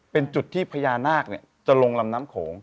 เป็นจุดที่พญานาคจะลงลำน้ำโขง